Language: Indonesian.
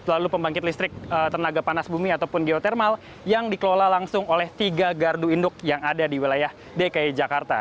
lalu pembangkit listrik tenaga panas bumi ataupun geotermal yang dikelola langsung oleh tiga gardu induk yang ada di wilayah dki jakarta